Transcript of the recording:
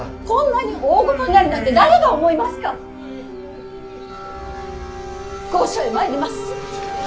こんなに大ごとになるなんて誰が思いますか！